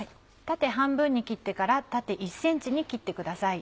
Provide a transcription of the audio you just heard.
縦半分に切ってから縦１ｃｍに切ってください。